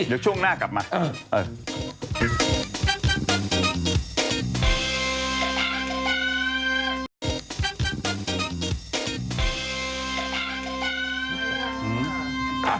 เดี๋ยวช่วงหน้ากลับมา